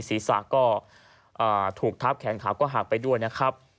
ศีรษะก็ถูกทับแขนขาก็หักไปด้วยนะครับ